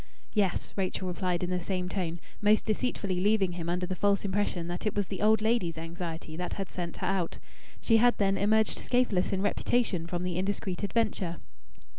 "Yes," Rachel replied in the same tone, most deceitfully leaving him under the false impression that it was the old lady's anxiety that had sent her out. She had, then, emerged scathless in reputation from the indiscreet adventure!